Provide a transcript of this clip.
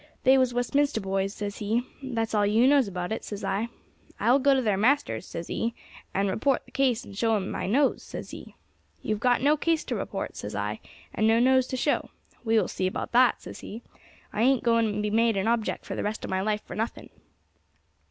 'They was Westminster boys,' says he. 'That's all you knows about it,' says I. 'I will go to their masters,' says he, 'and report the case, and show him my nose,' says he. 'You have got no case to report,' says I, 'and no nose to show.' 'We will see about that,' says he; 'I ain't going to be made an object for the rest of my life for nothing.'